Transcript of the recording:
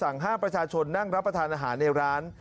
ห้ามประชาชนนั่งรับประทานอาหารในร้าน